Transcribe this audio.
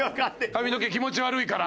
髪の毛気持ち悪いから？